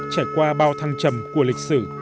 trải qua bao thăng trầm của lịch sử